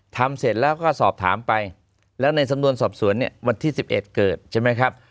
ทำเสร็จแล้วก็สอบถามไปแล้วในสำนวนสอบสวนเนี่ยวันที่๑๑เกิดใช่ไหมครับ